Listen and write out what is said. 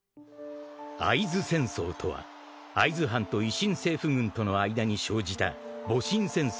［会津戦争とは会津藩と維新政府軍との間に生じた戊辰戦争